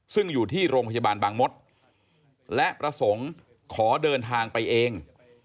ซึ่งอยู่ที่โรงพยาบาลบางมศและประสงค์ขอเดินทางไปเอง